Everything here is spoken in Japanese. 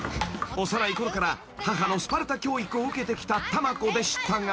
［幼いころから母のスパルタ教育を受けてきた多満子でしたが］